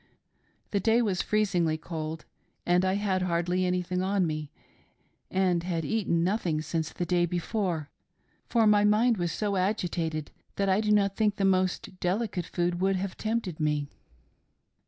The day was freezingly cold, and I had hardly anything on me, and had eaten nothing since the day before ; for my mind was sq agitated that I do not think the most delicate food would have tempted me.